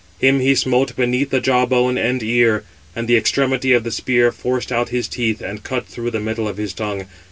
Him he smote beneath the jaw bone and ear, and the extremity of the spear forced out his teeth and cut through the middle of his tongue.